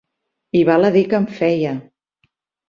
I val a dir que en feia.